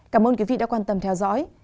cảm ơn quý vị đã quan tâm theo dõi